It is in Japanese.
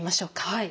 はい。